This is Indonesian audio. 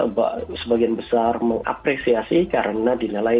mbak sebagian besar mengapresiasi karena dinalai di